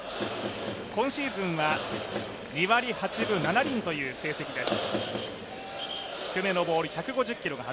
今シーズンは２割８分７厘という成績です。